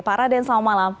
pak raden selamat malam